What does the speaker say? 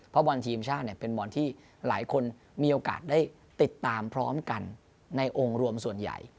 เพราะบอลทีมชาติเป็นบอลที่หลายคนมีโอกาสได้ติดตามพร้อมกันในองค์รวมส่วนใหญ่